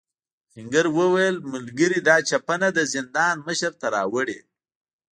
آهنګر وویل ملګري دا چپنه د زندان مشر ته راوړې.